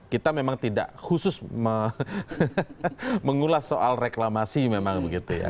kita memang tidak khusus mengulas soal reklamasi memang begitu ya